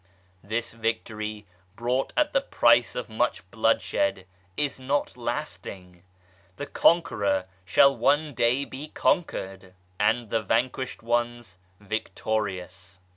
This victory, bought at the price of much bloodshed, is not lasting ! The conqueror shall one day be conquered ; and the vanquished ones victorious